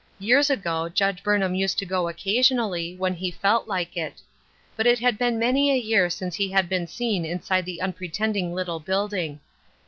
Years ago Judge Burnham used to go occasionally, when he felt like it. But it had been many a year since he had been seen inside the unpre tending little building.